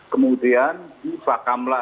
kemudian di fakamla